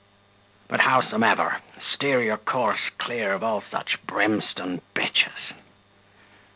But howsomever, steer your course clear of all such brimstone b s.